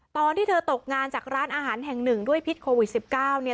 ตอนที่เธอตกงานจากร้านอาหารแห่ง๑ด้วยพิษโควิด๑๙